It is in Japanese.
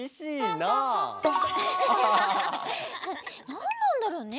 なんなんだろうね？